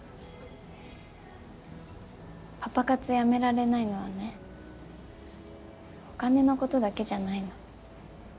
パパ活やめられないのはねお金のことだけじゃないの。